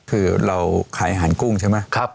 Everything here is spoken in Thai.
คือเราขายอาหารกุ้งใช่ไหม